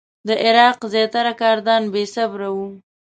د عراق زیاتره کردان بې صبره وو.